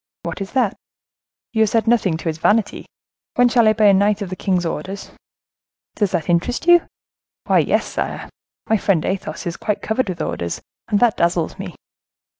"What is that?" "You have said nothing to his vanity; when shall I be a knight of the king's orders?" "Does that interest you?" "Why, yes, sire. My friend Athos is quite covered with orders, and that dazzles me."